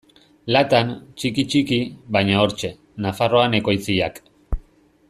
Latan, txiki-txiki, baina hortxe: Nafarroan ekoitziak.